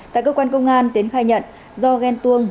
tại cơ quan công an tiến khai nhận do ghen tuông